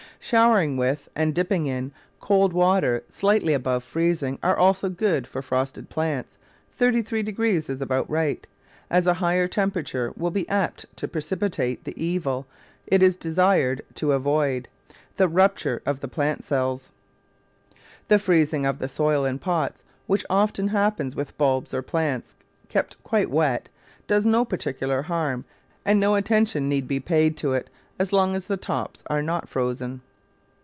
Showering with, and dipping in, cold water slightly above freezing are also good for frosted plants; 33 ° is about right, as a higher temperature will be apt to precipitate the evil it is desired to avoid — the rupture of the plant cells. The freezing of the soil in pots, which often hap pens with bulbs or plants kept quite wet, does no particular harm, and no attention need be paid to it as long as the tops are not frozen.